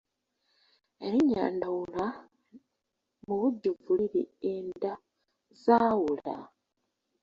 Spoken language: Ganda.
Erinnya Ndawula mu bujjuvu liri Enda zaawula.